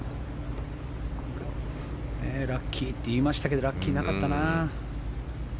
ラッキーって言いましたけどラッキーなかったな。